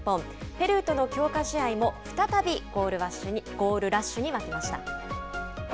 ペルーとの強化試合も、再びゴールラッシュに沸きました。